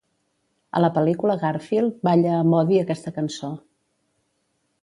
A la pel·lícula, Garfield balla amb Odie aquesta cançó.